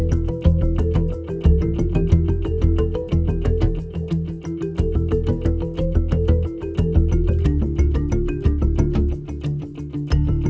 ถ่ายอยู่เนี้ยถ่ายดิเนี้ยถ่ายอยู่เนี้ย